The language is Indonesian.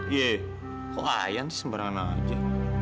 yee kok ayan sih sembarangan aja